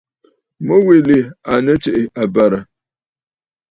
Mû wilì à nɨ tsiʼ ì àbə̀rə̀.